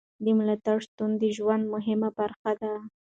د ملاتړ شتون د ژوند مهمه برخه ده.